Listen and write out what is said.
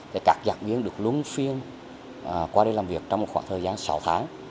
để các giảng viên được luôn phiên qua đây làm việc trong một khoảng thời gian sáu tháng